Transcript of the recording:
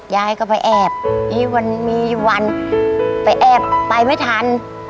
ยายก็ไปแอบวันมีวันไปแอบไปไม่ทัน